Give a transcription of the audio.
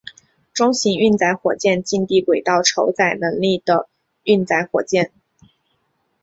中型运载火箭近地轨道酬载能力的运载火箭。